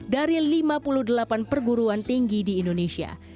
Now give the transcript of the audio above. dari lima puluh delapan perguruan tinggi di indonesia